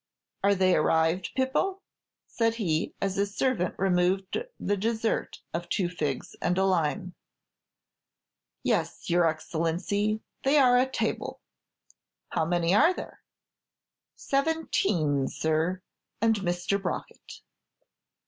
"Are they arrived, Pipo?" said he, as his servant removed the dessert of two figs and a lime. "Yes, your Excellency, they are at table." "How many are there?" "Seventeen, sir, and Mr. Brockett."